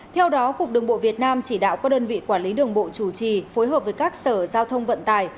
theo đó cục đường bộ việt nam chỉ đạo các đơn vị quản lý đường bộ chủ trì phối hợp với các sở giao thông vận tải